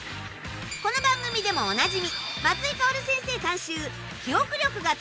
この番組でもおなじみ。